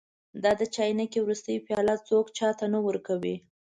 دا د چاینکې وروستۍ پیاله څوک چا ته نه ورکوي.